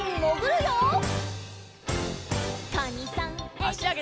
あしあげて。